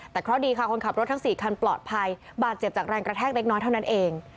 แต่เคราะห์ดีค่ะคนขับรถทั้ง๔คันปลอดภัยบาดเจ็บจากแรงกระแทกเล็กน้อยเท่านั้นเอง